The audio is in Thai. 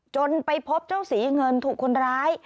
จนไปพบเจ้าสีเงินถูกคนร้าย